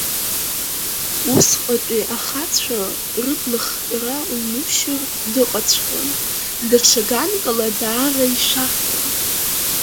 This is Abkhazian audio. Усҟатәи ахацәа рыблахкра лнушьартә дыҟаҵәҟьан, даҽа ганкала даара ишәарҭан.